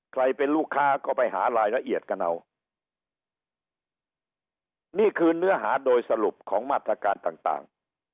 ใครเป็นลูกค้าก็ไปหารายละเอียดกันเอานี่คือเนื้อหาโดยสรุปของมาตรการต่างต่าง